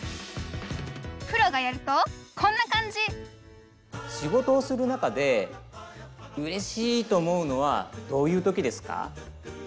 プロがやるとこんな感じ仕事をする中でうれしいと思うのはどういう時ですか？